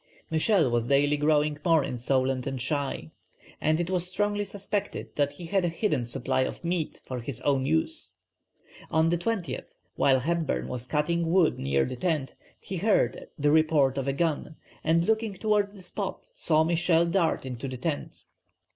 Michel was daily growing more insolent and shy, and it was strongly suspected that he had a hidden supply of meat for his own use. On the 20th, while Hepburn was cutting wood near the tent, he heard the report of a gun, and looking towards the spot saw Michel dart into the tent.